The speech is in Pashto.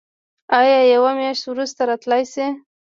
ایا یوه میاشت وروسته راتلی شئ؟